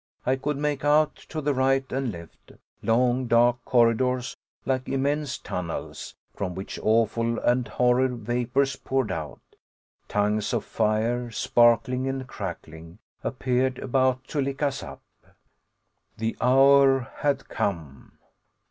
I could make out to the right and left long dark corridors like immense tunnels, from which awful and horrid vapors poured out. Tongues of fire, sparkling and crackling, appeared about to lick us up. The hour had come!